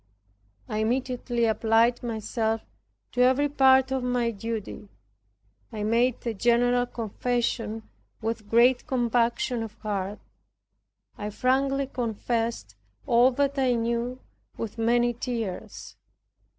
I immediately applied myself to every part of my duty. I made a general confession with great compunction of heart. I frankly confessed all that I knew with many tears.